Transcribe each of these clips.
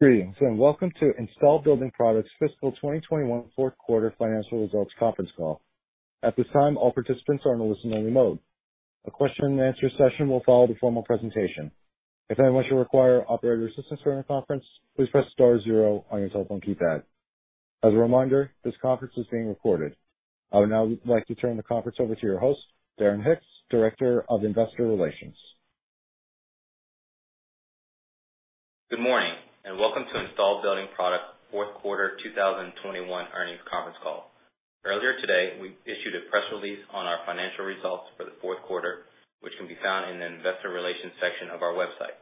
Greetings, and welcome to Installed Building Products Fiscal 2021 Q4 Financial Results conference call. At this time, all participants are in a listen-only mode. A question and answer session will follow the formal presentation. If anyone should require operator assistance during the conference, please press star zero on your telephone keypad. As a reminder, this conference is being recorded. I would now like to turn the conference over to your host, Darren Hicks, Director of Investor Relations. Good morning, and welcome to Installed Building Products Q4 2021 Earnings Conference Call. Earlier today, we issued a press release on our financial results for the Q4, which can be found in the Investor Relations section of our website.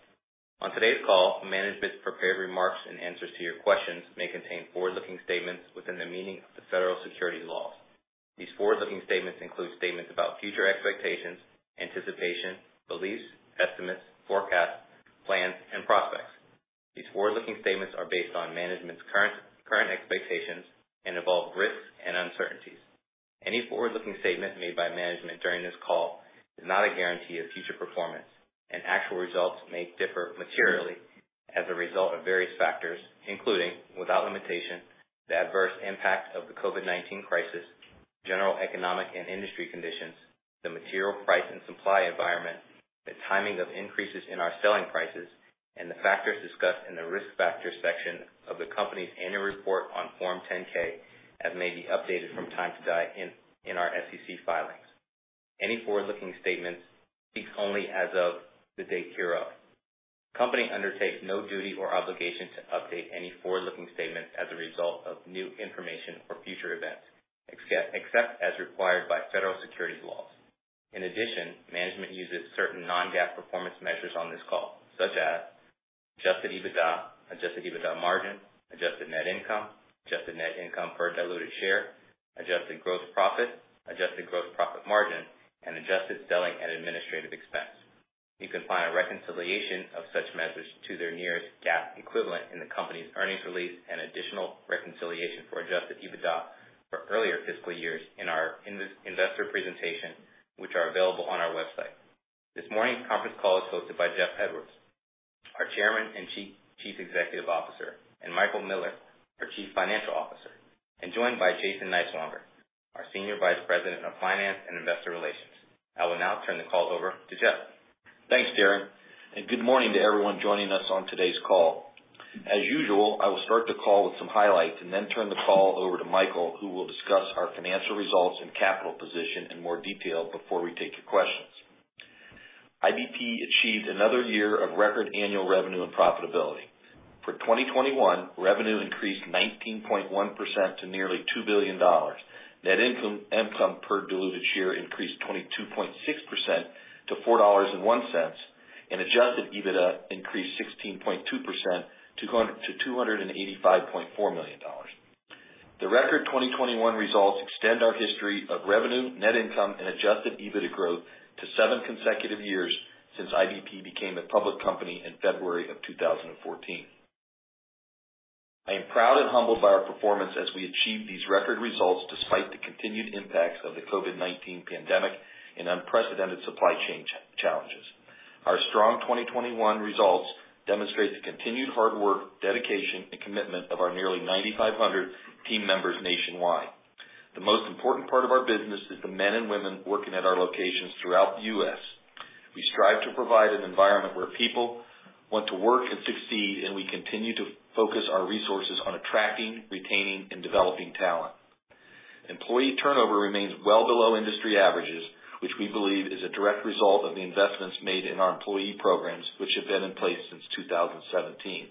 On today's call, management's prepared remarks and answers to your questions may contain forward-looking statements within the meaning of the federal securities laws. These forward-looking statements include statements about future expectations, anticipation, beliefs, estimates, forecasts, plans, and prospects. These forward-looking statements are based on management's current expectations and involve risks and uncertainties. Any forward-looking statement made by management during this call is not a guarantee of future performance, and actual results may differ materially as a result of various factors, including, without limitation, the adverse impact of the COVID-19 crisis, general economic and industry conditions, the material price and supply environment, the timing of increases in our selling prices, and the factors discussed in the Risk Factors section of the company's annual report on Form 10-K, as may be updated from time to time in our SEC filings. Any forward-looking statements speak only as of the date hereof. The company undertakes no duty or obligation to update any forward-looking statements as a result of new information or future events, except as required by federal securities laws. In addition, management uses certain non-GAAP performance measures on this call, such as adjusted EBITDA, adjusted EBITDA margin, adjusted net income, adjusted net income per diluted share, adjusted gross profit, adjusted gross profit margin, and adjusted selling and administrative expense. You can find a reconciliation of such measures to their nearest GAAP equivalent in the company's earnings release and additional reconciliation for adjusted EBITDA for earlier fiscal years in our investor presentation, which are available on our website. This morning's conference call is hosted by Jeff Edwards, our Chairman and Chief Executive Officer, and Michael Miller, our Chief Financial Officer, and joined by Jason Niswonger, our Senior Vice President of Finance and Investor Relations. I will now turn the call over to Jeff. Thanks, Darren, and good morning to everyone joining us on today's call. As usual, I will start the call with some highlights and then turn the call over to Michael, who will discuss our financial results and capital position in more detail before we take your questions. IBP achieved another year of record annual revenue and profitability. For 2021, revenue increased 19.1% to nearly $2 billion. Net income, income per diluted share increased 22.6% to $4.01, and adjusted EBITDA increased 16.2% to $285.4 million. The record 2021 results extend our history of revenue, net income, and adjusted EBITDA growth to seven consecutive years since IBP became a public company in February of 2014. I am proud and humbled by our performance as we achieve these record results despite the continued impacts of the COVID-19 pandemic and unprecedented supply chain challenges. Our strong 2021 results demonstrate the continued hard work, dedication, and commitment of our nearly 9,500 team members nationwide. The most important part of our business is the men and women working at our locations throughout the U.S. We strive to provide an environment where people want to work and succeed, and we continue to focus our resources on attracting, retaining, and developing talent. Employee turnover remains well below industry averages, which we believe is a direct result of the investments made in our employee programs, which have been in place since 2017.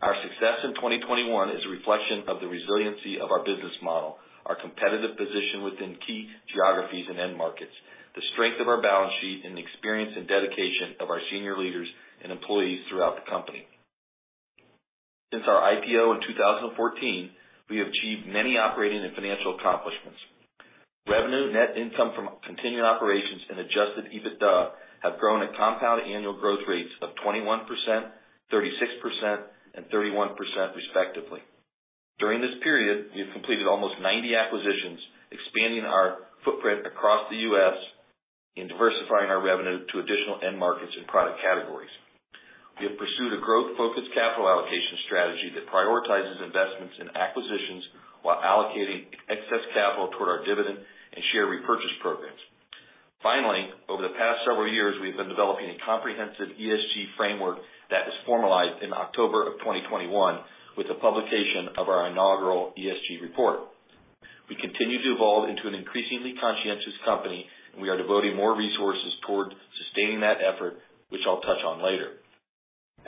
Our success in 2021 is a reflection of the resiliency of our business model, our competitive position within key geographies and end markets, the strength of our balance sheet, and the experience and dedication of our senior leaders and employees throughout the company. Since our IPO in 2014, we have achieved many operating and financial accomplishments. Revenue, net income from continuing operations, and adjusted EBITDA have grown at compound annual growth rates of 21%, 36%, and 31%, respectively. During this period, we have completed almost 90 acquisitions, expanding our footprint across the U.S. and diversifying our revenue to additional end markets and product categories. We have pursued a growth-focused capital allocation strategy that prioritizes investments in acquisitions while allocating excess capital toward our dividend and share repurchase programs. Finally, over the past several years, we've been developing a comprehensive ESG framework that was formalized in October of 2021 with the publication of our inaugural ESG report. We continue to evolve into an increasingly conscientious company, and we are devoting more resources toward sustaining that effort, which I'll touch on later.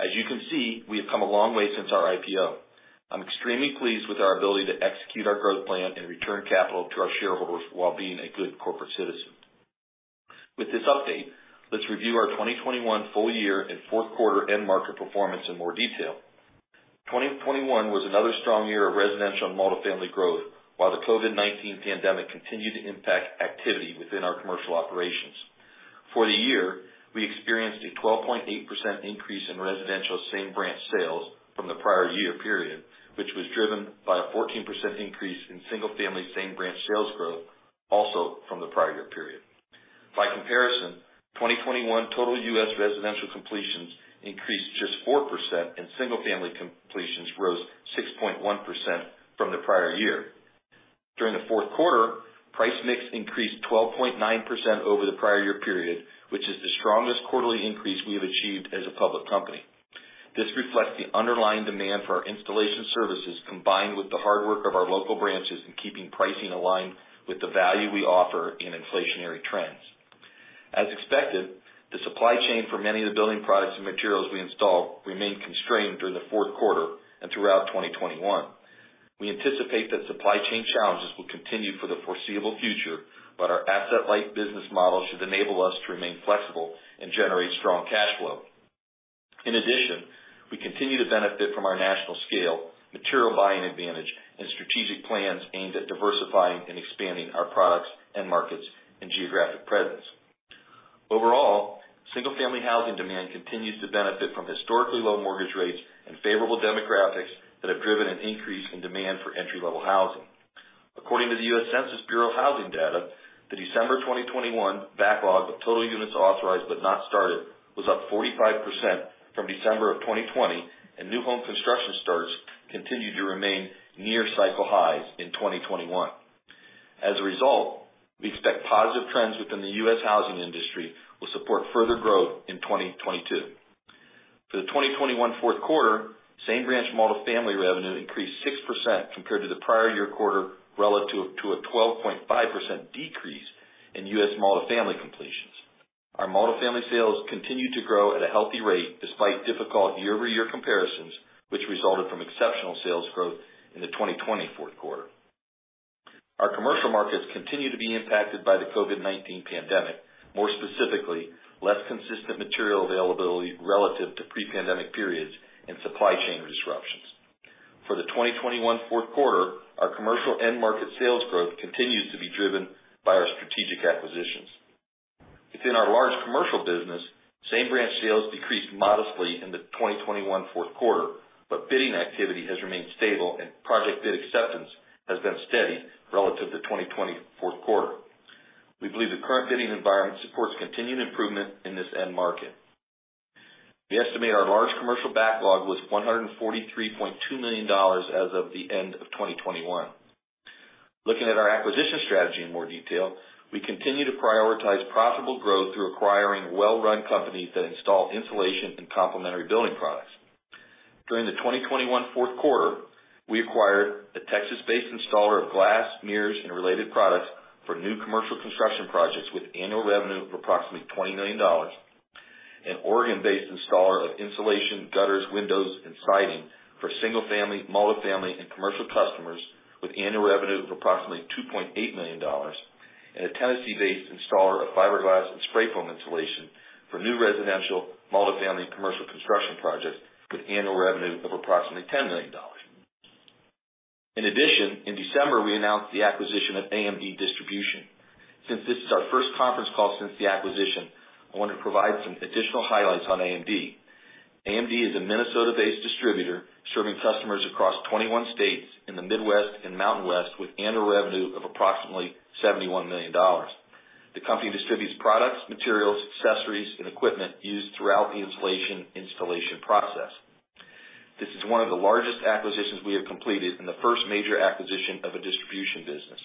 As you can see, we have come a long way since our IPO. I'm extremely pleased with our ability to execute our growth plan and return capital to our shareholders while being a good corporate citizen. With this update, let's review our 2021 full year and Q4 end market performance in more detail. 2021 was another strong year of residential and multifamily growth, while the COVID-19 pandemic continued to impact activity within our commercial operations. For the year, we experienced a 12.8% increase in residential same-branch sales from the prior year period, which was driven by a 14% increase in single-family same-branch sales growth also from the prior year period. By comparison, 2021 total U.S. residential completions increased just 4%, and single-family completions rose 6.1% from the prior year. During the Q4, price mix increased 12.9% over the prior year period, which is the strongest quarterly increase we have achieved as a public company. This reflects the underlying demand for our installation services, combined with the hard work of our local branches in keeping pricing aligned with the value we offer in inflationary trends. As expected, the supply chain for many of the building products and materials we install remained constrained during the Q4 and throughout 2021. We anticipate that supply chain challenges will continue for the foreseeable future, but our asset-light business model should enable us to remain flexible and generate strong cash flow. In addition, we continue to benefit from our national scale, material buying advantage, and strategic plans aimed at diversifying and expanding our products and markets and geographic presence. Overall, single-family housing demand continues to benefit from historically low mortgage rates and favorable demographics that have driven an increase in demand for entry-level housing. According to the U.S. Census Bureau housing data, the December 2021 backlog of total units authorized but not started, was up 45% from December of 2020, and new home construction starts continued to remain near cycle highs in 2021. As a result, we expect positive trends within the U.S. housing industry will support further growth in 2022. For the 2021 Q4, Same Branch multifamily revenue increased 6% compared to the prior year quarter, relative to a 12.5% decrease in U.S. multifamily completions. Our multifamily sales continued to grow at a healthy rate despite difficult year-over-year comparisons, which resulted from exceptional sales growth in the 2020 Q4. Our commercial markets continue to be impacted by the COVID-19 pandemic, more specifically, less consistent material availability relative to pre-pandemic periods and supply chain disruptions. For the 2021 Q4, our commercial end market sales growth continues to be driven by our strategic acquisitions. Within our large commercial business, Same Branch sales decreased modestly in the 2021 Q4, but bidding activity has remained stable and project bid acceptance has been steady relative to 2020 Q4. We believe the current bidding environment supports continued improvement in this end market. We estimate our large commercial backlog was $143.2 million as of the end of 2021. Looking at our acquisition strategy in more detail, we continue to prioritize profitable growth through acquiring well-run companies that install insulation and complementary building products. During the 2021 Q4, we acquired a Texas-based installer of glass, mirrors, and related products for new commercial construction projects with annual revenue of approximately $20 million, an Oregon-based installer of insulation, gutters, windows, and siding for single-family, multifamily, and commercial customers with annual revenue of approximately $2.8 million, and a Tennessee-based installer of fiberglass and spray foam insulation for new residential, multifamily, and commercial construction projects with annual revenue of approximately $10 million. In addition, in December, we announced the acquisition of AMD Distribution. Since this is our first conference call since the acquisition, I want to provide some additional highlights on AMD. AMD is a Minnesota-based distributor serving customers across 21 states in the Midwest and Mountain West, with annual revenue of approximately $71 million. The company distributes products, materials, accessories, and equipment used throughout the insulation installation process. This is one of the largest acquisitions we have completed and the first major acquisition of a distribution business.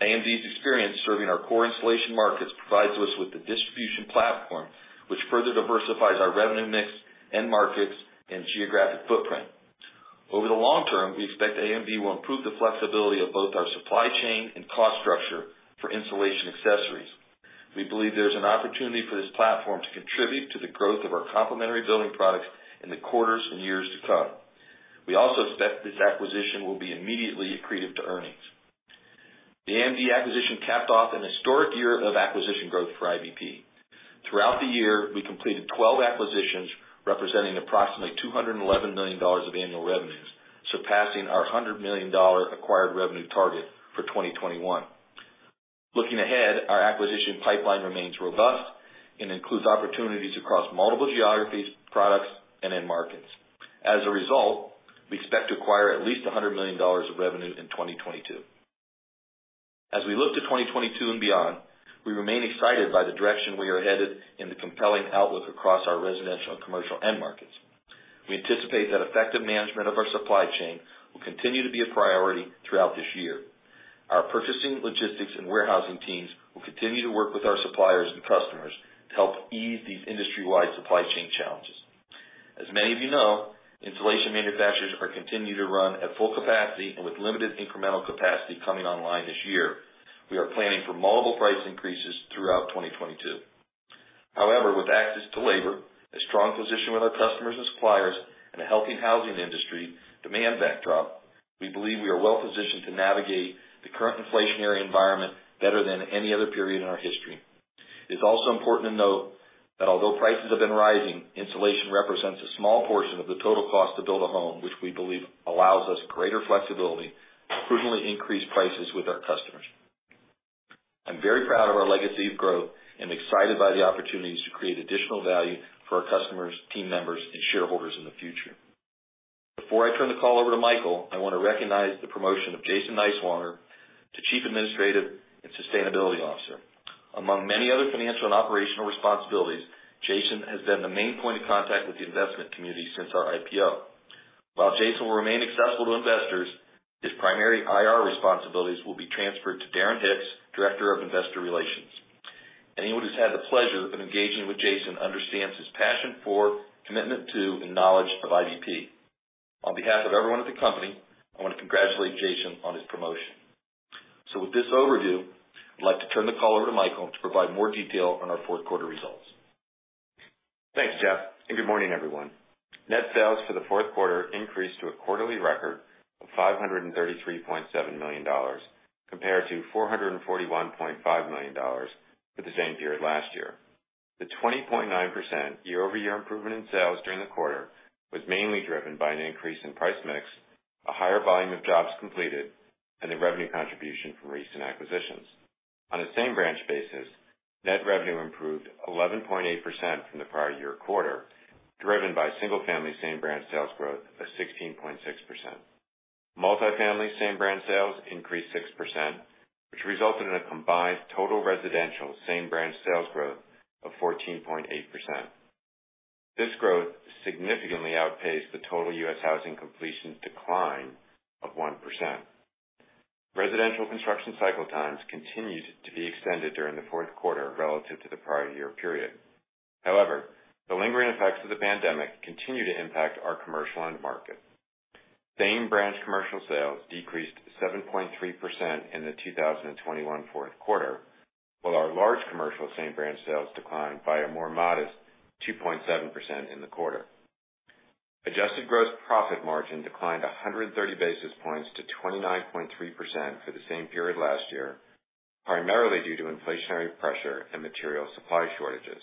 AMD's experience serving our core insulation markets provides us with a distribution platform, which further diversifies our revenue mix, end markets, and geographic footprint. Over the long term, we expect AMD will improve the flexibility of both our supply chain and cost structure for insulation accessories. We believe there's an opportunity for this platform to contribute to the growth of our complementary building products in the quarters and years to come. We also expect this acquisition will be immediately accretive to earnings. The AMD acquisition capped off an historic year of acquisition growth for IBP. Throughout the year, we completed 12 acquisitions, representing approximately $211 million of annual revenues, surpassing our $100 million acquired revenue target for 2021. Looking ahead, our acquisition pipeline remains robust and includes opportunities across multiple geographies, products, and end markets. As a result, we expect to acquire at least $100 million of revenue in 2022. As we look to 2022 and beyond, we remain excited by the direction we are headed and the compelling outlook across our residential and commercial end markets. We anticipate that effective management of our supply chain will continue to be a priority throughout this year. Our purchasing, logistics, and warehousing teams will continue to work with our suppliers and customers to help ease these industry-wide supply chain challenges. As many of you know, insulation manufacturers are continuing to run at full capacity and with limited incremental capacity coming online this year, we are planning for multiple price increases throughout 2022. However, with access to labor, a strong position with our customers and suppliers, and a healthy housing industry demand backdrop, we believe we are well positioned to navigate the current inflationary environment better than any other period in our history. It is also important to note that although prices have been rising, insulation represents a small portion of the total cost to build a home, which we believe allows us greater flexibility to prudently increase prices with our customers. I'm very proud of our legacy of growth and excited by the opportunities to create additional value for our customers, team members, and shareholders in the future. Before I turn the call over to Michael, I want to recognize the promotion of Jason Niswonger to Chief Administrative and Sustainability Officer. Among many other financial and operational responsibilities, Jason has been the main point of contact with the investment community since our IPO. While Jason will remain accessible to investors, his primary IR responsibilities will be transferred to Darren Hicks, Director of Investor Relations. Anyone who's had the pleasure of engaging with Jason understands his passion for, commitment to, and knowledge of IBP. On behalf of everyone at the company, I want to congratulate Jason on his promotion. So with this overview, I'd like to turn the call over to Michael to provide more detail on our Q4 results. Thanks, Jeff, and good morning, everyone. Net sales for the Q4 increased to a quarterly record of $533.7 million, compared to $441.5 million for the same period last year. The 20.9% year-over-year improvement in sales during the quarter was mainly driven by an increase in price mix, a higher volume of jobs completed, and the revenue contribution from recent acquisitions. On a same-branch basis, net revenue improved 11.8% from the prior year quarter, driven by single-family same-branch sales growth of 16.6%. Multifamily same-branch sales increased 6%, which resulted in a combined total residential same-branch sales growth of 14.8%. This growth significantly outpaced the total U.S. housing completions decline of 1%. Residential construction cycle times continued to be extended during the Q4 relative to the prior year period. However, the lingering effects of the pandemic continue to impact our commercial end market. Same-branch commercial sales decreased 7.3% in the 2021 Q4, while our large commercial same-branch sales declined by a more modest 2.7% in the quarter. Adjusted gross profit margin declined 130 basis points to 29.3% for the same period last year, primarily due to inflationary pressure and material supply shortages.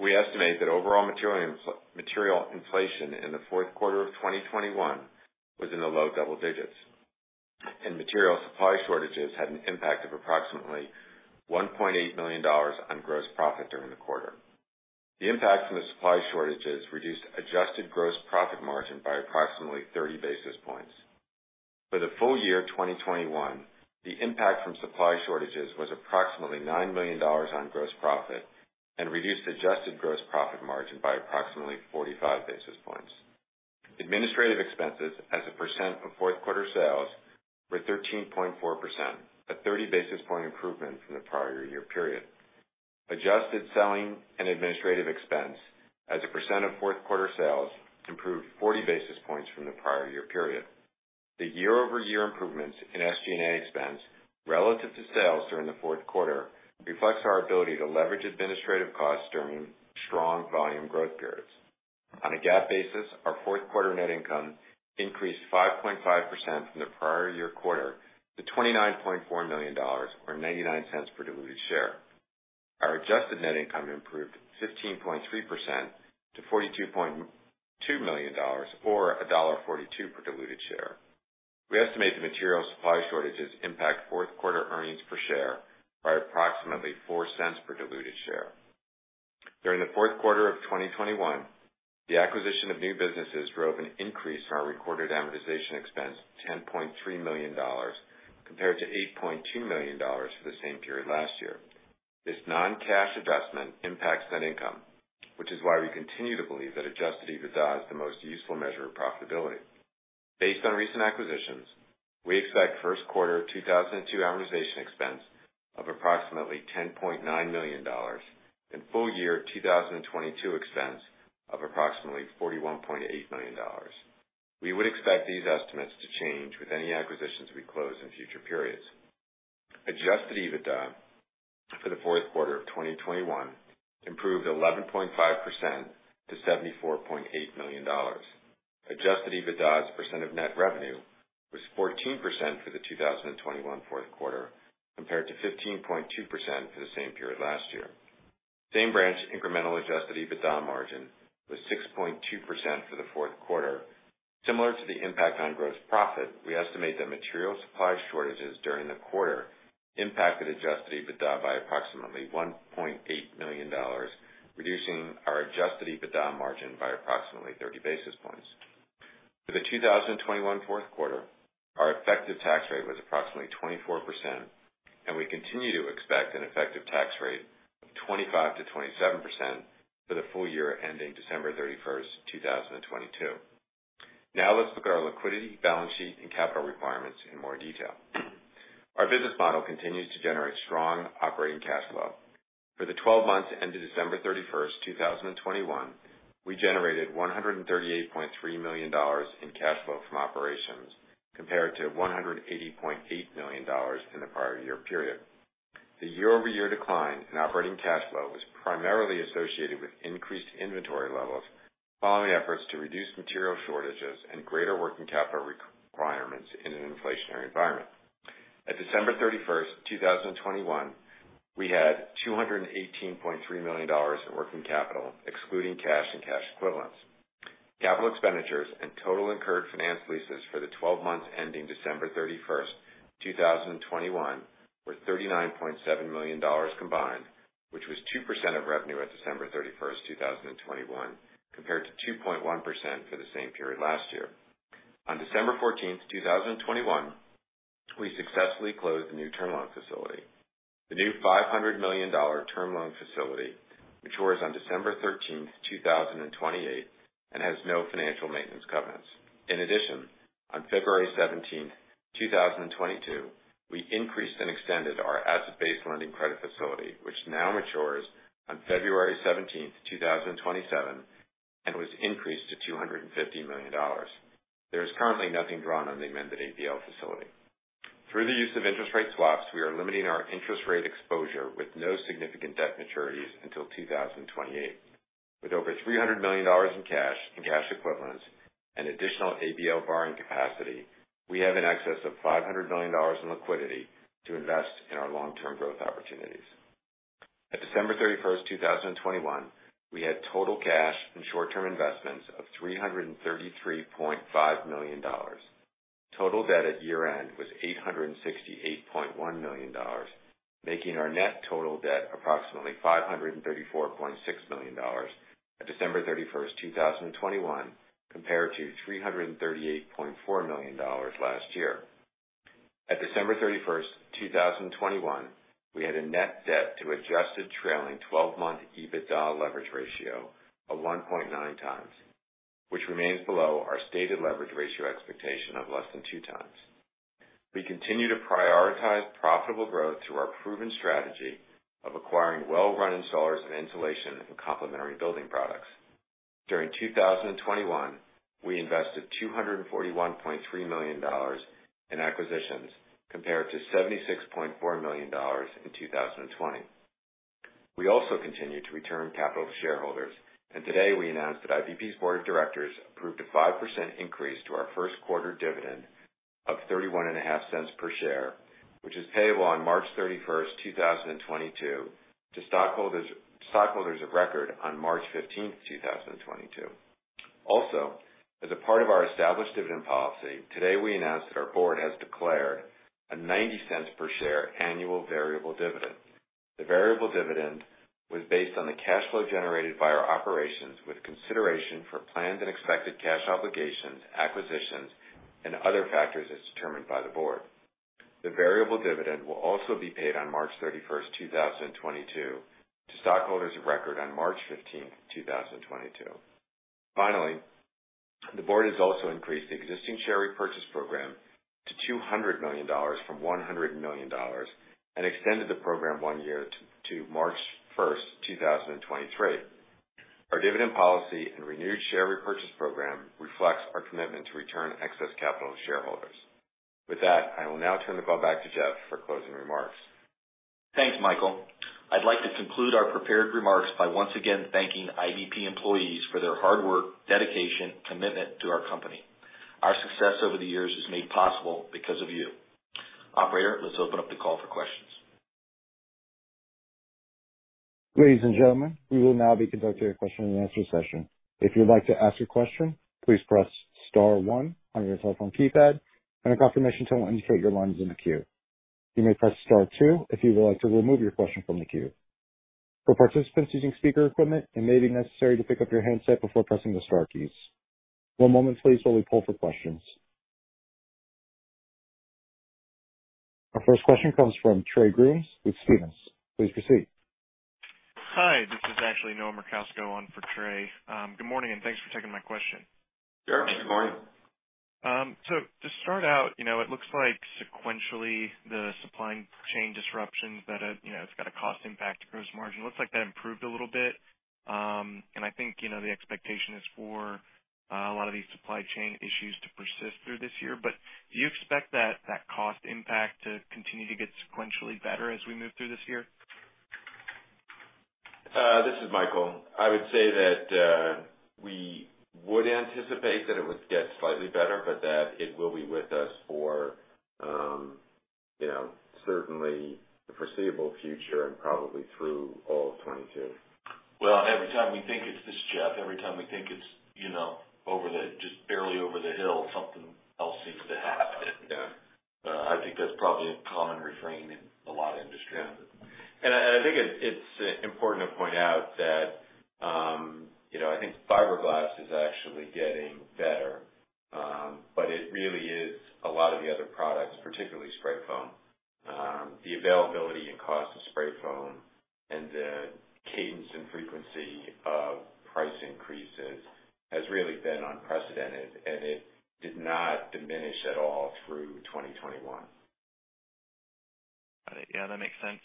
We estimate that overall material inflation in the Q4 of 2021 was in the low double digits, and material supply shortages had an impact of approximately $1.8 million on gross profit during the quarter. The impact from the supply shortages reduced adjusted gross profit margin by approximately 30 basis points. For the full year 2021, the impact from supply shortages was approximately $9 million on gross profit and reduced adjusted gross profit margin by approximately 45 basis points. Administrative expenses as a percent of Q4 sales were 13.4%, a 30 basis point improvement from the prior year period. Adjusted selling and administrative expense as a percent of Q4 sales improved 40 basis points from the prior year period. The year-over-year improvements in SG&A expense relative to sales during the Q4 reflects our ability to leverage administrative costs during strong volume growth periods. On a GAAP basis, our Q4 net income increased 5.5% from the prior year quarter to $29.4 million, or $0.99 per diluted share. Our adjusted net income improved 15.3% to $42.2 million, or $1.42 per diluted share. We estimate the material supply shortages impact Q4 earnings per share by approximately $0.04 per diluted share. During the Q4 of 2021, the acquisition of new businesses drove an increase in our recorded amortization expense, $10.3 million, compared to $8.2 million for the same period last year. This non-cash adjustment impacts net income, which is why we continue to believe that adjusted EBITDA is the most useful measure of profitability. Based on recent acquisitions, we expect Q1 2022 amortization expense of approximately $10.9 million and full-year 2022 expense of approximately $41.8 million. We would expect these estimates to change with any acquisitions we close in future periods. Adjusted EBITDA for the Q4 of 2021 improved 11.5% to $74.8 million. Adjusted EBITDA as a percent of net revenue was 14% for the 2021 Q4, compared to 15.2% for the same period last year. Same-branch incremental adjusted EBITDA margin was 6.2% for the Q4. Similar to the impact on gross profit, we estimate that material supply shortages during the quarter impacted adjusted EBITDA by approximately $1.8 million, reducing our adjusted EBITDA margin by approximately 30 basis points. For the 2021 Q4, our effective tax rate was approximately 24%, and we continue to expect an effective tax rate of 25%-27% for the full year ending December 31, 2022. Now let's look at our liquidity, balance sheet, and capital requirements in more detail. Our business model continues to generate strong operating cash flow. For the 12 months ended December 31, 2021, we generated $138.3 million in cash flow from operations, compared to $180.8 million in the prior year period. The year-over-year decline in operating cash flow was primarily associated with increased inventory levels, following efforts to reduce material shortages and greater working capital re-requirements in an inflationary environment. At December 31, 2021, we had $218.3 million in working capital, excluding cash and cash equivalents. Capital expenditures and total incurred finance leases for the 12 months ending December 31, 2021, were $39.7 million combined, which was 2% of revenue at December 31, 2021, compared to 2.1% for the same period last year. On December 14, 2021, we successfully closed the new term loan facility. The new $500 million term loan facility matures on December 13, 2028, and has no financial maintenance covenants. In addition, on February 17, 2022, we increased and extended our asset-based lending credit facility, which now matures on February 17, 2027, and was increased to $250 million. There is currently nothing drawn on the amended ABL facility. Through the use of interest rate swaps, we are limiting our interest rate exposure with no significant debt maturities until 2028. With over $300 million in cash and cash equivalents and additional ABL borrowing capacity, we have in excess of $500 million in liquidity to invest in our long-term growth opportunities. At December 31, 2021, we had total cash and short-term investments of $333.5 million. Total debt at year-end was $868.1 million, making our net total debt approximately $534.6 million at December 31, 2021, compared to $338.4 million last year. At December 31, 2021, we had a net debt to adjusted trailing twelve-month EBITDA leverage ratio of 1.9 times, which remains below our stated leverage ratio expectation of less than 2 times. We continue to prioritize profitable growth through our proven strategy of acquiring well-run installers and insulation and complementary building products. During 2021, we invested $241.3 million in acquisitions, compared to $76.4 million in 2020. We also continue to return capital to shareholders, and today we announced that IBP's board of directors approved a 5% increase to our Q1 dividend of $0.315 per share, which is payable on March 31st, 2022, to stockholders, stockholders of record on March 15th, 2022. Also, as a part of our established dividend policy, today, we announced that our board has declared a $0.90 per share annual variable dividend. The variable dividend was based on the cash flow generated by our operations, with consideration for planned and expected cash obligations, acquisitions, and other factors as determined by the board. The variable dividend will also be paid on March 31st, 2022, to stockholders of record on March 15th, 2022. Finally, the board has also increased the existing share repurchase program to $200 million from $100 million and extended the program one year to March 1, 2023. Our dividend policy and renewed share repurchase program reflects our commitment to return excess capital to shareholders. With that, I will now turn the call back to Jeff for closing remarks. Thanks, Michael. I'd like to conclude our prepared remarks by once again thanking IBP employees for their hard work, dedication, commitment to our company. Our success over the years is made possible because of you. Operator, let's open up the call for questions. Ladies and gentlemen, we will now be conducting a question and answer session. If you'd like to ask a question, please press star one on your telephone keypad, and a confirmation tone will indicate your line is in the queue. You may press star two if you would like to remove your question from the queue. For participants using speaker equipment, it may be necessary to pick up your handset before pressing the star keys. One moment please, while we pull for questions. Our first question comes from Trey Grooms with Stephens. Please proceed. Hi, this is actually Noah Merkousko on for Trey. Good morning, and thanks for taking my question. Sure. Good morning. So to start out, you know, it looks like sequentially, the supply chain disruptions that are, you know, it's got a cost impact to gross margin. Looks like that improved a little bit. And I think, you know, the expectation is for, a lot of these supply chain issues to persist through this year. But do you expect that, that cost impact to continue to get sequentially better as we move through this year? This is Michael. I would say that we would anticipate that it would get slightly better, but that it will be with us for, you know, certainly the foreseeable future and probably through all of 2022. Well, every time we think it's this, Jeff, every time we think it's, you know, over the-just barely over the hill, something else seems to happen. Yeah. I think that's probably a common refrain in a lot of industries. Yeah. And I think it's important to point out that, you know, I think fiberglass is actually getting better. But it really is a lot of the other products, particularly spray foam. The availability and cost of spray foam and the cadence and frequency of price increases has really been unprecedented, and it did not diminish at all through 2021. Got it. Yeah, that makes sense.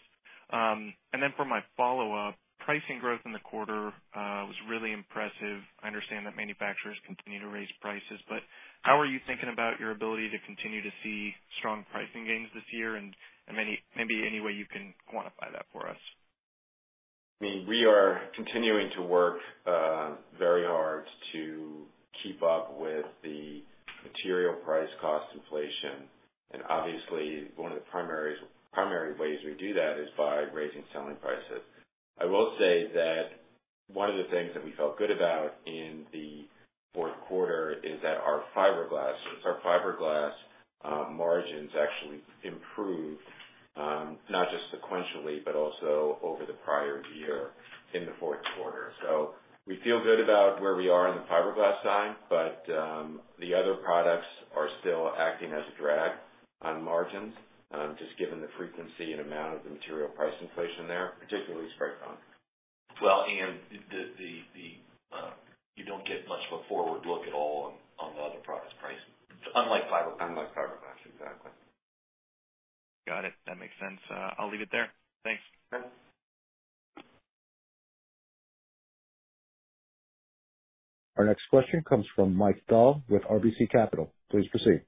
And then for my follow-up, pricing growth in the quarter was really impressive. I understand that manufacturers continue to raise prices, but how are you thinking about your ability to continue to see strong pricing gains this year, and maybe any way you can quantify that for us? I mean, we are continuing to work very hard to keep up with the material price cost inflation. Obviously, one of the primary ways we do that is by raising selling prices. I will say that one of the things that we felt good about in the Q4 is that our fiberglass margins actually improved, not just sequentially, but also over the prior year in the Q4. We feel good about where we are in the fiberglass side, but the other products are still acting as a drag on margins, just given the frequency and amount of the material price inflation there, particularly spray foam. Well, you don't get much of a forward look at all on the other products pricing, unlike fiberglass. Unlike Fiberglass, exactly. Got it. That makes sense. I'll leave it there. Thanks. Okay. Our next question comes from Mike Dahl with RBC Capital. Please proceed.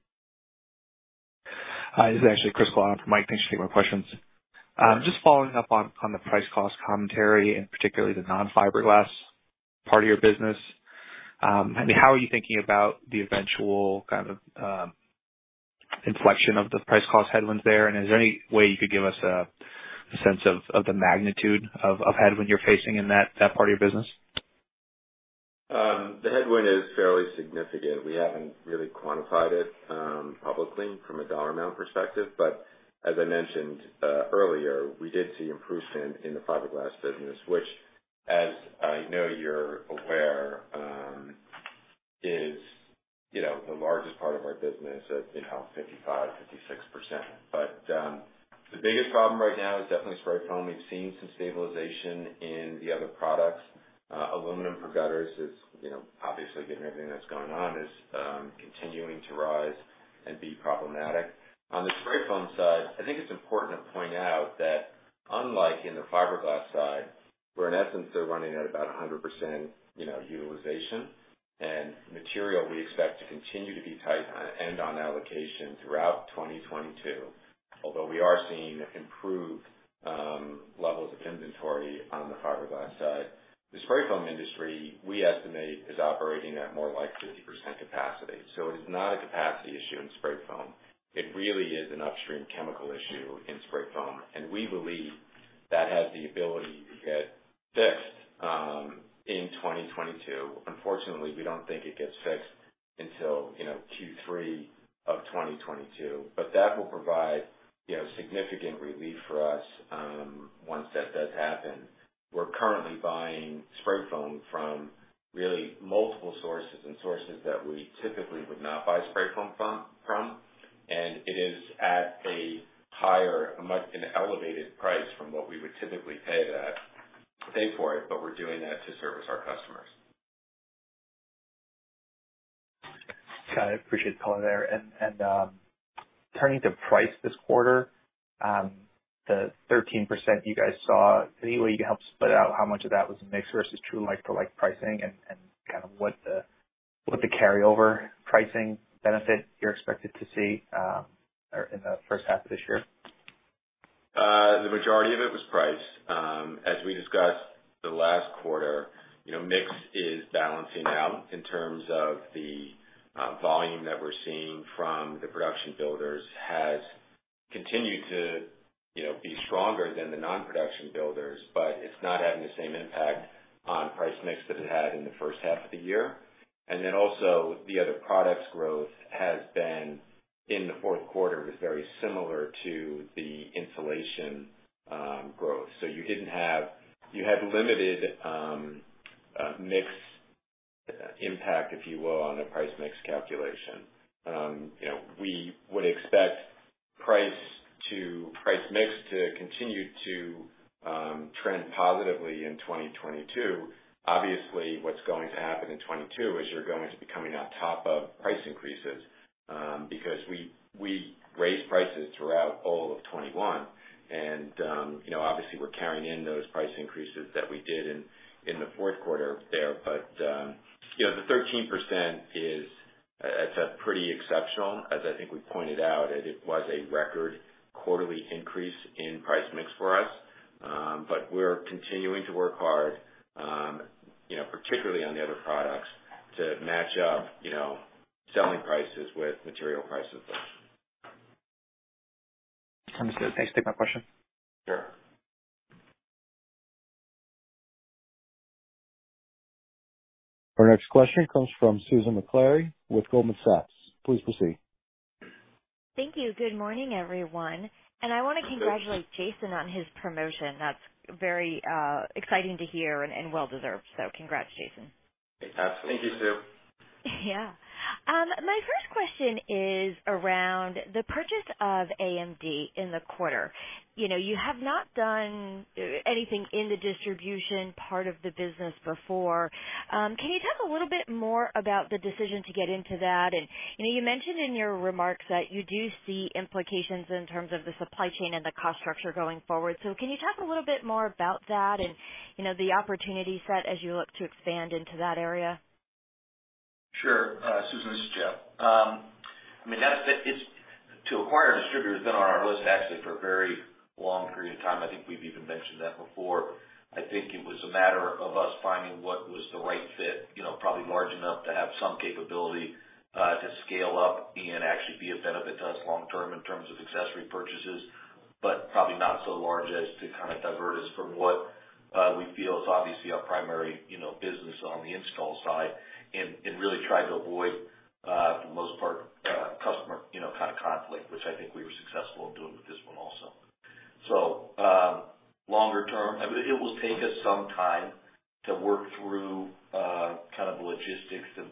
Hi, this is actually Chris Kalata for Michael Dahl. Thanks for taking my questions. Just following up on the price cost commentary, and particularly the non-fiberglass part of your business, I mean, how are you thinking about the eventual kind of inflection of the price cost headwinds there? And is there any way you could give us a sense of the magnitude of headwind you're facing in that part of your business? The headwind is fairly significant. We haven't really quantified it, publicly from a dollar amount perspective, but as I mentioned, earlier, we did see improvement in the fiberglass business, which, as I know you're aware, is, you know, the largest part of our business at, you know, 55%-56%. But, the biggest problem right now is definitely spray foam. We've seen some stabilization in the other products. Aluminum for gutters is, you know, obviously, given everything that's going on, is, continuing to rise and be problematic. On the spray foam side, I think it's important to point out that unlike in the fiberglass side, where in essence, they're running at about 100%, you know, utilization and material, we expect to continue to be tight and on allocation throughout 2022. Although we are seeing improved levels of inventory on the fiberglass side. The spray foam industry, we estimate, is operating at more like 50% capacity. So it is not a capacity issue in spray foam. It really is an upstream chemical issue in spray foam, and we believe that has the ability to get fixed in 2022. Unfortunately, we don't think it gets fixed until, you know, Q3 of 2022. But that will provide, you know, significant relief for us once that does happen. We're currently buying spray foam from really multiple sources and sources that we typically would not buy spray foam from, and it is at a much higher, an elevated price from what we would typically pay for it, but we're doing that to service our customers. Got it. Appreciate the color there. And turning to price this quarter, the 13% you guys saw, any way you can help split out how much of that was mix versus true like-to-like pricing and kind of what the carryover pricing benefit you're expected to see or in the first half of this year? The majority of it was price. As we discussed the last quarter, you know, mix is balancing out in terms of the volume that we're seeing from the production builders has continued to, you know, be stronger than the non-production builders, but it's not having the same impact on price mix that it had in the first half of the year. And then also, the other products growth has been in the Q4, was very similar to the insulation growth. So you had limited mix impact, if you will, on the price mix calculation. You know, we would expect price mix to continue to trend positively in 2022. Obviously, what's going to happen in 2022 is you're going to be coming on top of price increases, because we raised prices throughout all of 2021. And, you know, obviously, we're carrying in those price increases that we did in the Q4 there. But, you know, the 13% is, it's a pretty exceptional, as I think we pointed out, it was a record quarterly increase in price mix for us. But we're continuing to work hard, you know, particularly on the other products, to match up, you know, selling prices with material prices. Understood. Thanks. Take my question. Sure. Our next question comes from Susan Maklari with Goldman Sachs. Please proceed. Thank you. Good morning, everyone. Good day. I want to congratulate Jason on his promotion. That's very exciting to hear and well deserved. So congrats, Jason. Absolutely. Thank you, Sue. Yeah. My first question is around the purchase of AMD in the quarter. You know, you have not done anything in the distribution part of the business before. Can you talk a little bit more about the decision to get into that? And, you know, you mentioned in your remarks that you do see implications in terms of the supply chain and the cost structure going forward. So can you talk a little bit more about that and, you know, the opportunity set as you look to expand into that area? Sure. Susan, this is Jeff. I mean, that's the—it's—to acquire a distributor has been on our list, actually, for a very long period of time. I think we've even mentioned that before. I think it was a matter of us finding what was the right fit, you know, probably large enough to have some capability to scale up and actually be of benefit to us long term in terms of accessory purchases. But probably not so large as to kind of divert us from what we feel is obviously our primary, you know, business on the install side, and really try to avoid for the most part, customer, you know, kind of conflict, which I think we were successful in doing with this one also. So, longer term, I mean, it will take us some time to work through, kind of the logistics of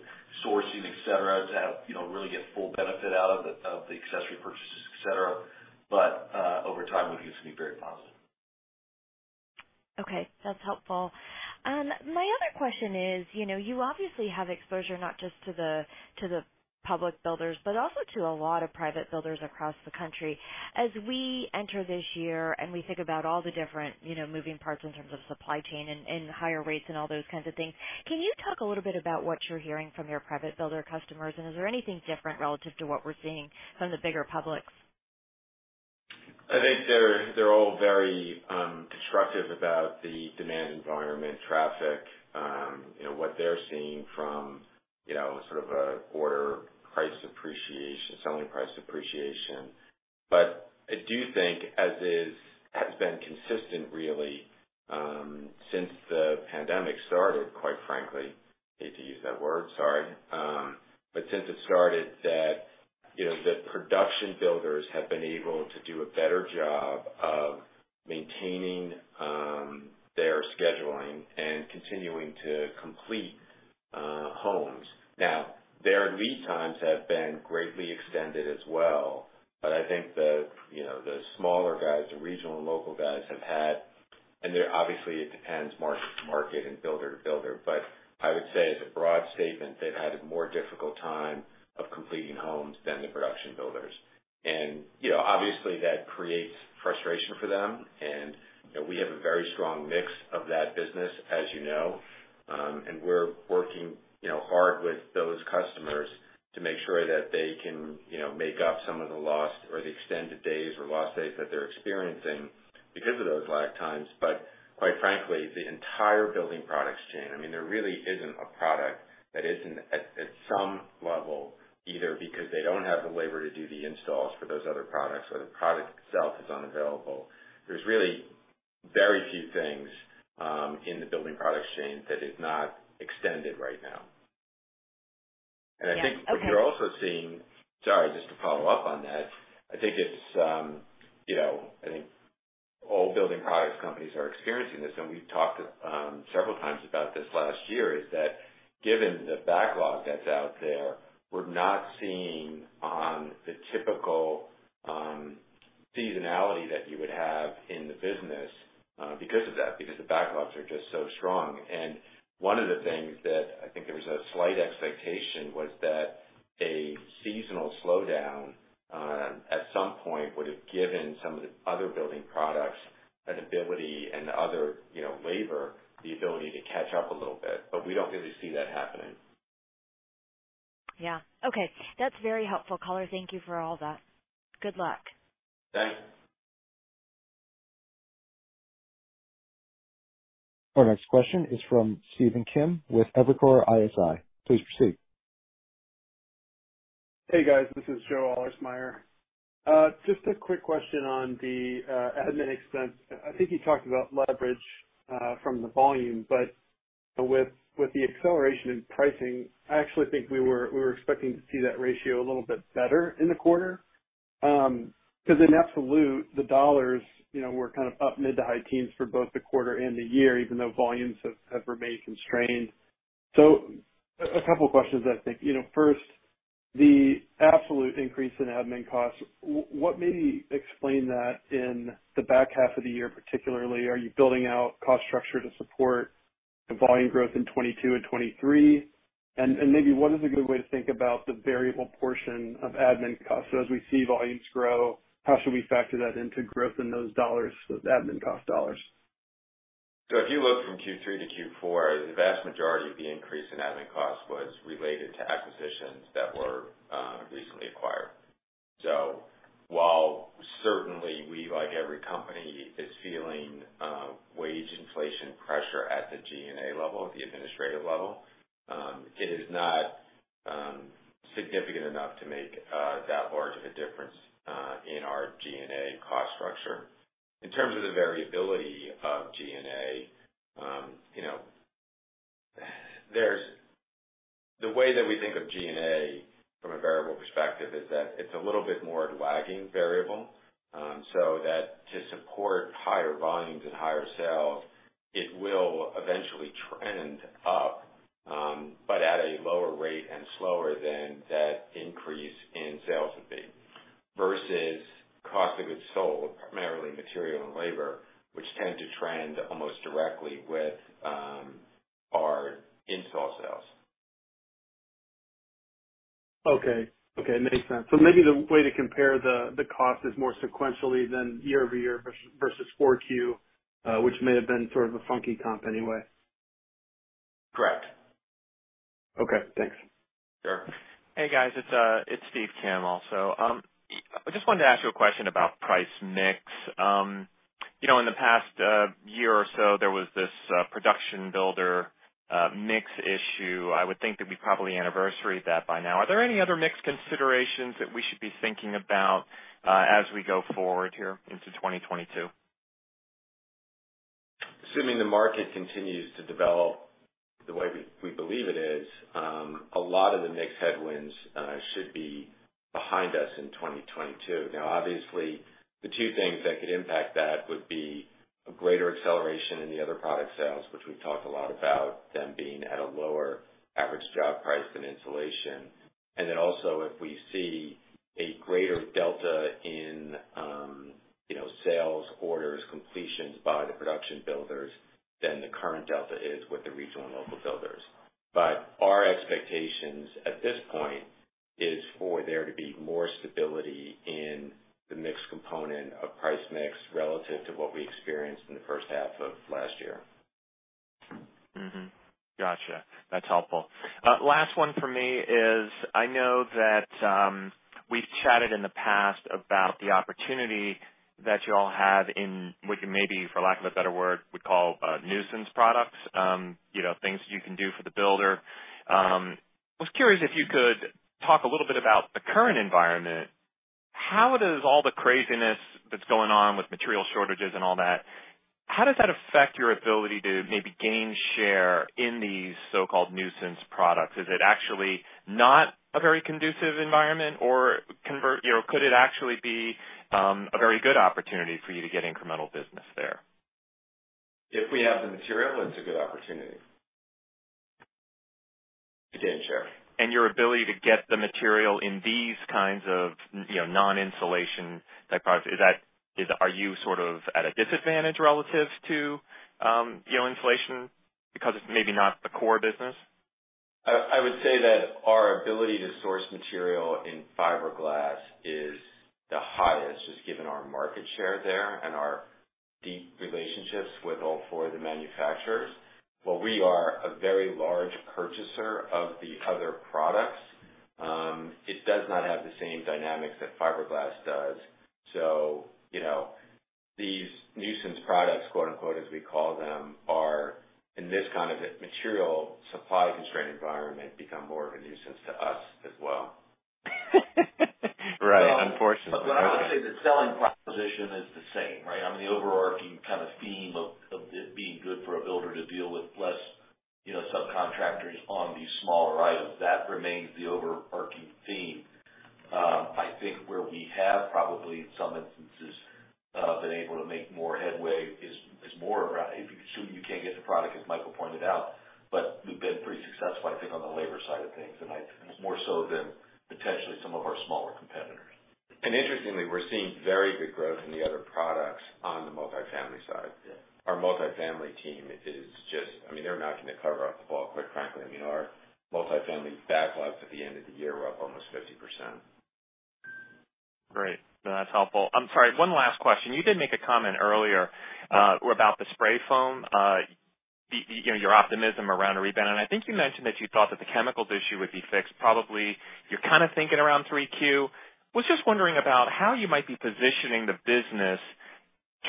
sourcing, et cetera, to have, you know, really get full benefit out of the, of the accessory purchases, et cetera. But, over time, we view this to be very positive. Okay, that's helpful. My other question is, you know, you obviously have exposure not just to the public builders, but also to a lot of private builders across the country. As we enter this year, and we think about all the different, you know, moving parts in terms of supply chain and higher rates and all those kinds of things, can you talk a little bit about what you're hearing from your private builder customers? And is there anything different relative to what we're seeing from the bigger publics? I think they're all very, constructive about the demand environment, traffic, you know, what they're seeing from, you know, sort of a order price appreciation, selling price appreciation. But I do think, as is, has been consistent really, since the pandemic started, quite frankly, hate to use that word, sorry. But since it started, that, you know, the production builders have been able to do a better job of maintaining, their scheduling and continuing to complete, homes. Now, their lead times have been greatly extended as well, but I think the, you know, the smaller guys, the regional and local guys, have had-and there obviously it depends market to market and builder to builder, but I would say as a broad statement, they've had a more difficult time of completing homes than the production builders. You know, obviously, that creates frustration for them, and, you know, we have a very strong mix of that business, as you know. And we're working, you know, hard with those customers to make sure that they can, you know, make up some of the lost or the extended days or lost days that they're experiencing because of those lag times. But quite frankly, the entire building products chain. I mean, there really isn't a product that isn't at some level, either because they don't have the labor to do the installs for those other products or the product itself is unavailable. There's really very few things in the building products chain that is not extended right now. Yeah, okay. And I think what you're also seeing-sorry, just to follow up on that. I think it's, you know, I think all building products companies are experiencing this, and we've talked several times about this last year, is that given the backlog that's out there, we're not seeing the typical seasonality that you would have in the business, because of that, because the backlogs are just so strong. And one of the things that I think there was a slight expectation was that a seasonal slowdown at some point would have given some of the other building products an ability and the other, you know, labor, the ability to catch up a little bit, but we don't really see that happening. Yeah. Okay. That's very helpful, Caller. Thank you for all that. Good luck. Thanks. Our next question is from Stephen Kim with Evercore ISI. Please proceed. Hey, guys, this is Joe Ahlersmeyer. Just a quick question on the admin expense. I think you talked about leverage from the volume, but with the acceleration in pricing, I actually think we were expecting to see that ratio a little bit better in the quarter. Because in absolute, the dollars, you know, were kind of up mid- to high-teens for both the quarter and the year, even though volumes have remained constrained. So a couple of questions, I think. You know, first, the absolute increase in admin costs, what may explain that in the back half of the year, particularly? Are you building out cost structure to support the volume growth in 2022 and 2023? And maybe what is a good way to think about the variable portion of admin costs? As we see volumes grow, how should we factor that into growth in those dollars, those admin cost dollars? So if you look from Q3 to Q4, the vast majority of the increase in admin costs was related to acquisitions that were recently acquired. So while certainly we, like every company, is feeling wage inflation pressure at the G&A level, at the administrative level, it is not significant enough to make that large of a difference in our G&A cost structure. In terms of the variability of G&A, you know, there's the way that we think of G&A from a variable perspective is that it's a little bit more of a lagging variable, so that to support higher volumes and higher sales, it will eventually trend up, but at a lower rate and slower than that increase in sales would be. Versus cost of goods sold, primarily material and labor, which tend to trend almost directly with our install sales. Okay. Okay, makes sense. So maybe the way to compare the, the cost is more sequentially than year-over-year versus 4Q, which may have been sort of a funky comp anyway. Correct. Okay, thanks. Sure. Hey, guys, it's Stephen Kim. So, I just wanted to ask you a question about price mix. You know, in the past year or so, there was this production builder mix issue. I would think that we probably anniversaried that by now. Are there any other mix considerations that we should be thinking about as we go forward here into 2022? Assuming the market continues to develop the way we believe it is, a lot of the mix headwinds should be behind us in 2022. Now, obviously, the two things that could impact that would be a greater acceleration in the other product sales, which we've talked a lot about them being at a lower average job price than insulation. And then also, if we see a greater delta in, you know, sales, orders, completions by the production builders than the current delta is with the regional and local builders. But our expectations at this point is for there to be more stability in the mix component of price mix relative to what we experienced in the first half of last year. Mm-hmm. Gotcha. That's helpful. Last one for me is, I know that we've chatted in the past about the opportunity that you all have in what you maybe, for lack of a better word, would call nuisance products. You know, things you can do for the builder. I was curious if you could talk a little bit about the current environment. How does all the craziness that's going on with material shortages and all that affect your ability to maybe gain share in these so-called nuisance products? Is it actually not a very conducive environment or, you know, could it actually be a very good opportunity for you to get incremental business there? If we have the material, it's a good opportunity to gain share. Your ability to get the material in these kinds of, you know, non-insulation type products, is that, are you sort of at a disadvantage relative to, you know, insulation because it's maybe not the core business? I would say that our ability to source material in fiberglass is the highest, just given our market share there and our deep relationships with all four of the manufacturers. But we are a very large purchaser of the other products. It does not have the same dynamics that fiberglass does. So, you know, these nuisance products, quote-unquote, as we call them, are in this kind of a material supply constrained environment, become more of a nuisance to us as well. Right. Unfortunately. But I would say the selling proposition is the same, right? I mean, the overarching kind of theme of it being good for a builder to deal with less, you know, subcontractors on these smaller items. That remains the overarching theme. I think where we have probably in some instances been able to make more headway is more around assuming you can't get the product, as Michael pointed out, but we've been pretty successful, I think, on the labor side of things, and I more so than potentially some of our smaller competitors. Interestingly, we're seeing very good growth in the other products on the multifamily side. Yeah. Our multifamily team is just-I mean, they're knocking the cover off the ball, quite frankly. I mean, our multifamily backlogs at the end of the year were up almost 50%. Great. That's helpful. I'm sorry, one last question. You did make a comment earlier, about the spray foam, you know, your optimism around a rebound. And I think you mentioned that you thought that the chemicals issue would be fixed, probably, you're kind of thinking around 3Q. Was just wondering about how you might be positioning the business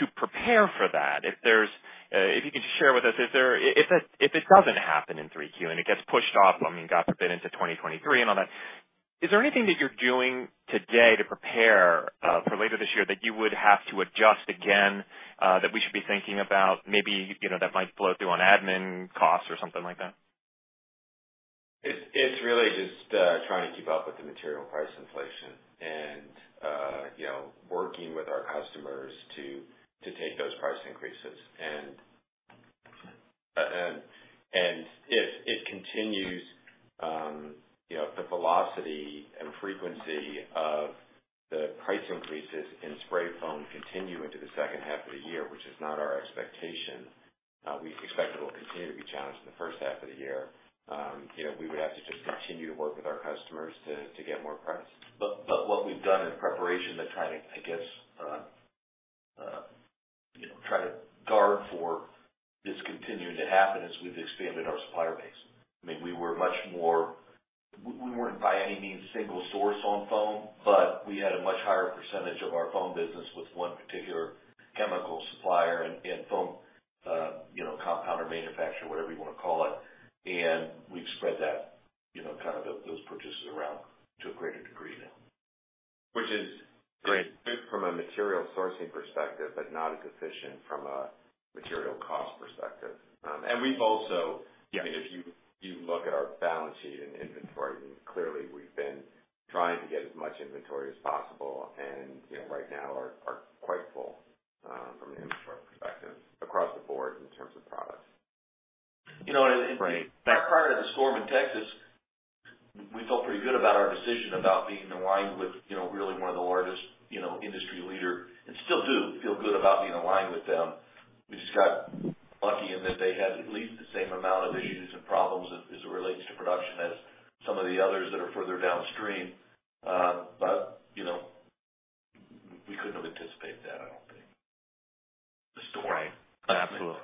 to prepare for that. If there's, if you could just share with us, if it doesn't happen in 3Q and it gets pushed off, I mean, God forbid, into 2023 and all that, is there anything that you're doing today to prepare, for later this year that you would have to adjust again, that we should be thinking about? Maybe, you know, that might flow through on admin costs or something like that. It's really just trying to keep up with the material price inflation and, you know, working with our customers to take those price increases. And if it continues, you know, the velocity and frequency of the price increases in spray foam continue into the second half of the year, which is not our expectation, we expect it will continue to be challenged in the first half of the year. You know, we would have to just continue to work with our customers to get more price. But what we've done in preparation to try to, I guess, you know, try to guard for this continuing to happen, is we've expanded our supplier base. I mean, we were much more. We weren't by any means single source on foam, but we had a much higher percentage of our foam business with one particular chemical supplier and foam, you know, compounder manufacturer, whatever you want to call it. And we've spread that, you know, kind of those purchases around to a greater degree now. Which is great from a material sourcing perspective, but not efficient from a material cost perspective. And we've also-I mean, if you look at our balance sheet and inventory, clearly we've been trying to get as much inventory as possible and, you know, right now are quite full from an inventory perspective, across the board in terms of products. You know, Right. Prior to the storm in Texas, we felt pretty good about our decision about being aligned with, you know, really one of the largest, you know, industry leader, and still do feel good about being aligned with them. We just got lucky in that they had at least the same amount of issues and problems as it relates to production as some of the others that are further downstream. But, you know, we couldn't have anticipated that, I don't think, the storm. Right. Absolutely.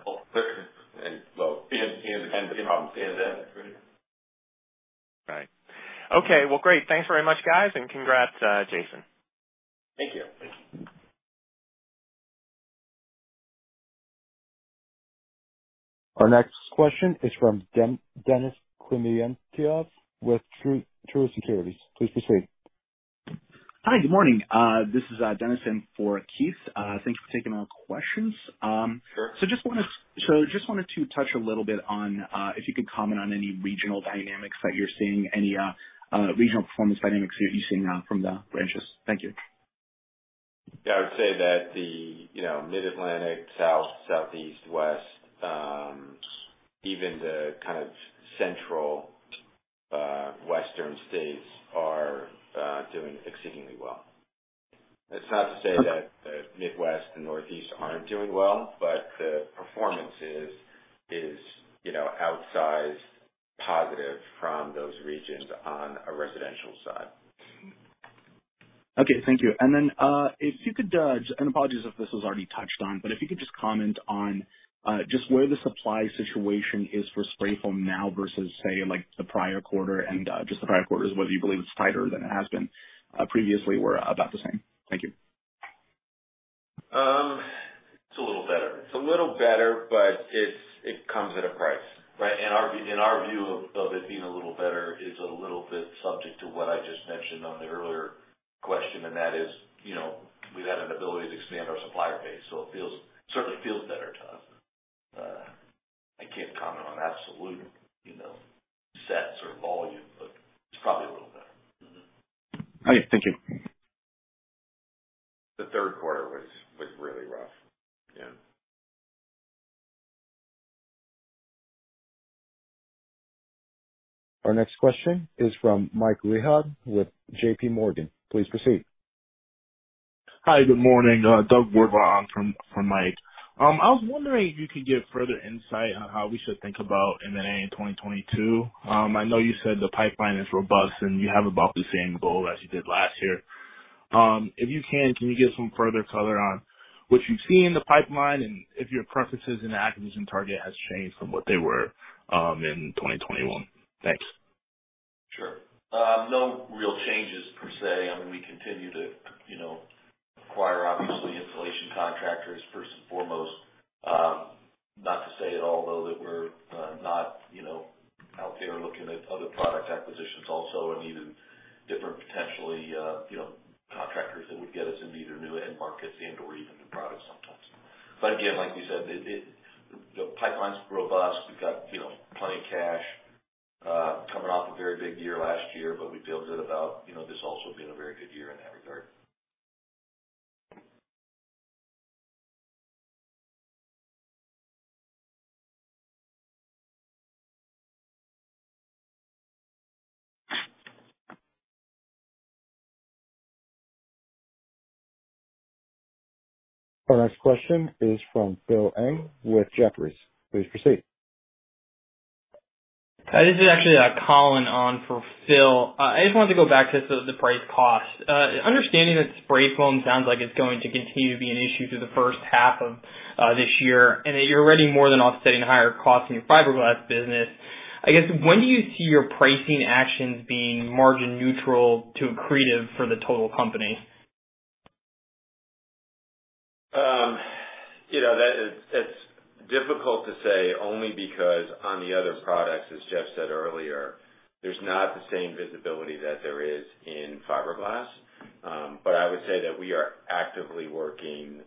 Well, he has, he has problems. He has that. Right. Okay, well, great. Thanks very much, guys, and congrats, Jason. Thank you. Thank you. Our next question is from Denis Zuev [inaudible] with Truist Securities. Please proceed. Hi, good morning. This is Denis for Keith. Thank you for taking our questions. Sure. So just wanted to touch a little bit on, if you could comment on any regional dynamics that you're seeing, any regional performance dynamics that you're seeing from the branches. Thank you. Yeah, I would say that the, you know, Mid-Atlantic, South, Southeast, West, even the kind of central, western states are doing exceedingly well. That's not to say that the Midwest and Northeast aren't doing well, but the performance is, you know, outsized positive from those regions on a residential side. Okay, thank you. And then, if you could judge, and apologies if this was already touched on, but if you could just comment on, just where the supply situation is for spray foam now versus say, like, the prior quarter and, just the prior quarter, whether you believe it's tighter than it has been, previously, or about the same. Thank you. It's a little better. It's a little better, but it's, it comes at a price, right? In our view of, of it being a little better is a little bit subject to what I just mentioned on the earlier question, and that is, you know, we've had an ability to expand our supplier base, so it feels, certainly feels better to us. I can't comment on absolute, you know, sets or volume, but it's probably a little better. Mm-hmm. Okay, thank you. The Q3 was really rough. Yeah. Our next question is from Mike Rehaut with J.P. Morgan. Please proceed. Hi, good morning. Doug Wardlaw from J.P. Morgan, for Mike Rehaut. I was wondering if you could give further insight on how we should think about M&A in 2022. I know you said the pipeline is robust and you have about the same goal as you did last year. If you can, can you give some further color on what you've seen in the pipeline and if your preferences in the acquisition target has changed from what they were in 2021? Thanks. Sure. No real changes per se. I mean, we continue to, you know, acquire obviously installation contractors first and foremost. Not to say at all, though, that we're not, you know, out there looking at other product acquisitions also and even different potentially, you know, contractors that would get us into either new end markets and, or even new products sometimes. But again, like you said, it, the pipeline's robust. We've got, you know, plenty of cash coming off a very big year last year, but we feel good about, you know, this also being a very good year in that regard. Our next question is from Philip Ng with Jefferies. Please proceed. This is actually Collin on for Philip. I just wanted to go back to the, the price cost. Understanding that spray foam sounds like it's going to continue to be an issue through the first half of this year, and that you're already more than offsetting the higher cost in your fiberglass business. I guess, when do you see your pricing actions being margin neutral to accretive for the total company? You know, that is-It's difficult to say only because on the other products, as Jeff said earlier, there's not the same visibility that there is in fiberglass. But I would say that we are actively working,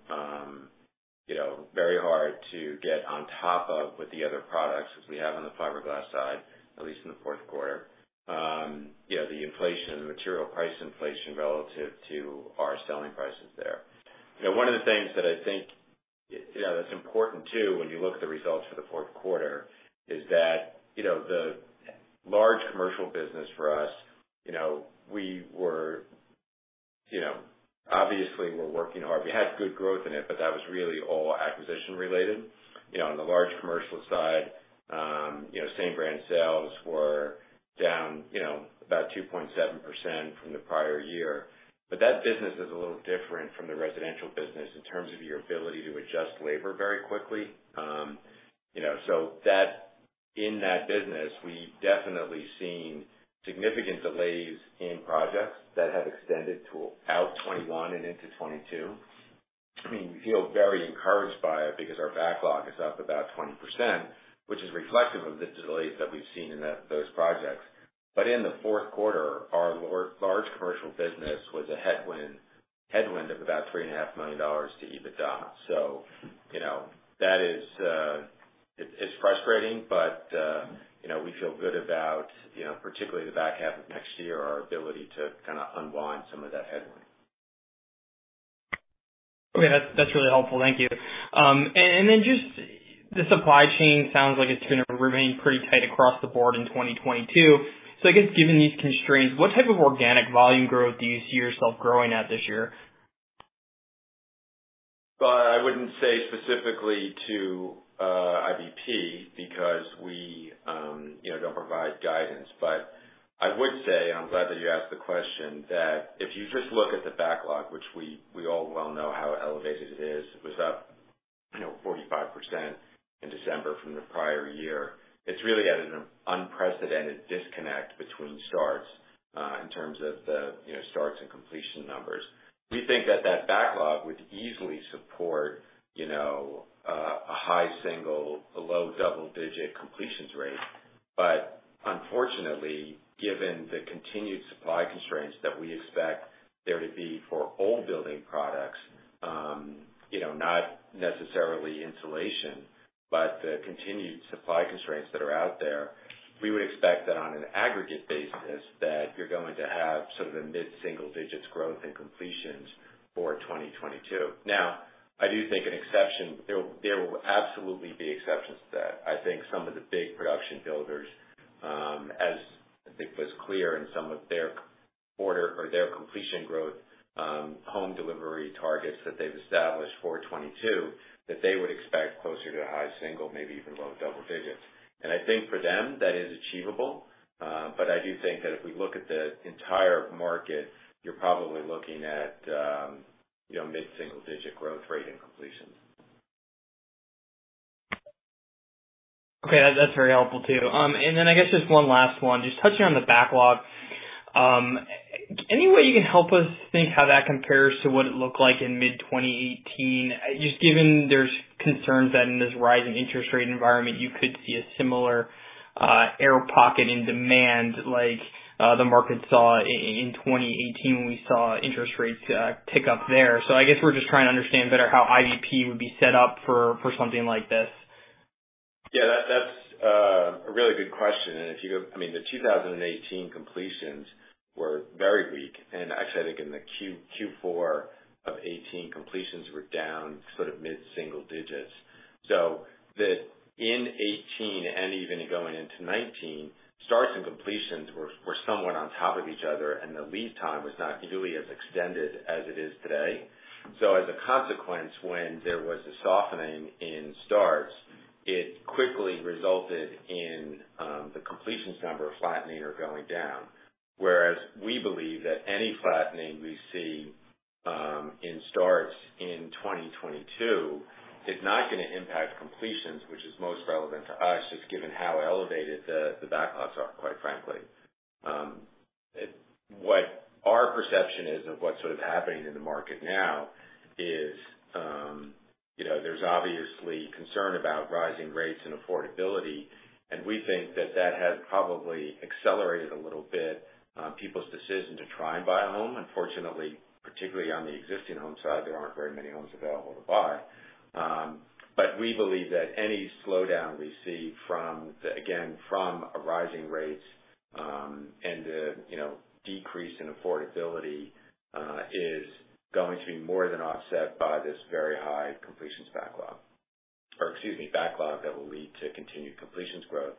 you know, very hard to get on top of with the other products, as we have on the fiberglass side, at least in the Q4. You know, the inflation, the material price inflation relative to our selling prices there. You know, one of the things that I think, you know, that's important too, when you look at the results for the Q4, is that, you know, the large commercial business for us, you know, we were, you know, obviously we're working hard. We had good growth in it, but that was really all acquisition related. You know, on the large commercial side, you know, same-brand sales were down about 2.7% from the prior year. But that business is a little different from the residential business in terms of your ability to adjust labor very quickly. You know, so that, in that business, we've definitely seen significant delays in projects that have extended out to 2021 and into 2022. I mean, we feel very encouraged by it because our backlog is up about 20%, which is reflective of the delays that we've seen in that, those projects. But in the Q4, our large commercial business was a headwind of about $3.5 million to EBITDA. You know, that is, it's frustrating, but you know, we feel good about, you know, particularly the back half of next year, our ability to kind of unwind some of that headwind. Okay, that's, that's really helpful. Thank you. And then just the supply chain sounds like it's gonna remain pretty tight across the board in 2022. So I guess given these constraints, what type of organic volume growth do you see yourself growing at this year? But I wouldn't say specifically to IBP, because we, you know, don't provide guidance. But I would say, and I'm glad that you asked the question, that if you just look at the backlog, which we all well know how elevated it is, it was up, you know, 45% in December from the prior year. It's really at an unprecedented disconnect between starts, in terms of the, you know, starts and completion numbers. We think that that backlog would easily support, you know, a high single-digit, a low double-digit completions rate. But unfortunately, given the continued supply constraints that we expect there to be for all building products, you know, not necessarily insulation, but the continued supply constraints that are out there, we would expect that on an aggregate basis, that you're going to have sort of a mid-single digits growth in completions for 2022. Now, I do think an exception, there will, there will absolutely be exceptions to that. I think some of the big production builders, as I think was clear in some of their order or their completion growth, home delivery targets that they've established for 2022, that they would expect closer to a high single, maybe even low double digits. And I think for them, that is achievable. But I do think that if we look at the entire market, you're probably looking at, you know, mid-single digit growth rate in completions. Okay, that's very helpful, too. And then I guess just one last one. Just touching on the backlog, any way you can help us think how that compares to what it looked like in mid-2018? Just given there's concerns that in this rising interest rate environment, you could see a similar, air pocket in demand like, the market saw in 2018, when we saw interest rates, tick up there. So I guess we're just trying to understand better how IBP would be set up for something like this. Yeah, that, that's a really good question. And if you go-I mean, the 2018 completions were very weak, and actually, I think in the Q4 of 2018, completions were down sort of mid-single digits. So the, in 2018 and even going into 2019, starts and completions were, were somewhat on top of each other, and the lead time was not nearly as extended as it is today. So as a consequence, when there was a softening in starts, it quickly resulted in the completions number flattening or going down. Whereas we believe that any flattening we see in starts in 2022 is not gonna impact completions, which is most relevant to us, just given how elevated the, the backlogs are, quite frankly. What our perception is of what's sort of happening in the market now is, you know, there's obviously concern about rising rates and affordability, and we think that that has probably accelerated a little bit, people's decision to try and buy a home. Unfortunately, particularly on the existing home side, there aren't very many homes available to buy. But we believe that any slowdown we see from, again, rising rates, and the, you know, decrease in affordability, is going to be more than offset by this very high completions backlog. Or excuse me, backlog that will lead to continued completions growth,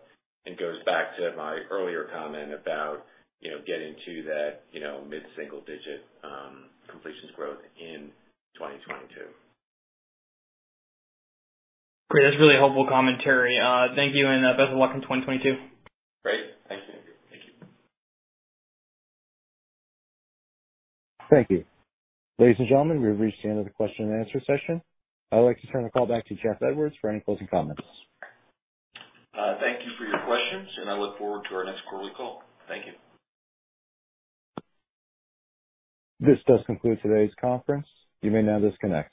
and goes back to my earlier comment about, you know, getting to that, you know, mid-single digit, completions growth in 2022. Great. That's really helpful commentary. Thank you and best of luck in 2022. Great. Thank you. Thank you. Ladies and gentlemen, we've reached the end of the question and answer session. I would like to turn the call back to Jeff Edwards for any closing comments. Thank you for your questions, and I look forward to our next quarterly call. Thank you. This does conclude today's conference. You may now disconnect.